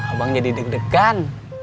abang jadi deg degan